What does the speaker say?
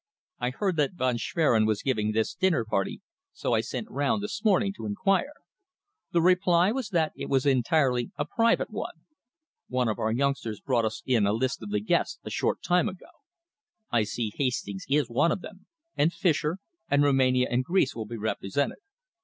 I heard that Von Schwerin was giving this dinner party, so I sent round this morning to inquire. The reply was that it was entirely a private one. One of our youngsters brought us in a list of the guests a short time ago. I see Hastings is one of them, and Fischer, and Rumania and Greece will be represented.